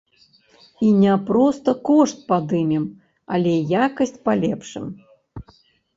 І не проста кошт падымем, але якасць палепшым.